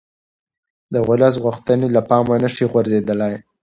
د ولس غوښتنې له پامه نه شي غورځېدلای